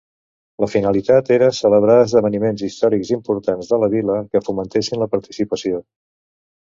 La finalitat era celebrar esdeveniments històrics importants de la vila que fomentessin la participació.